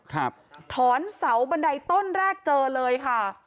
ถอนเสาบันไดต้นแรกเจอเลยค่ะ